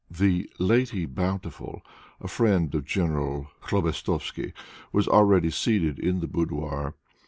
The "lady bountiful," a friend of General Khlobestovsky, was already seated in the boudoir.